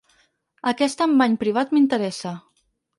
Aquesta amb bany privat m'interessa.